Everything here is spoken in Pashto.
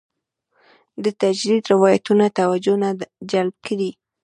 د تجدید روایتونه توجه نه جلب کړې.